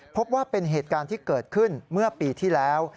พบว่าเป็นเหตุการณ์ที่เกิดขึ้นเมื่อปีที่แล้ว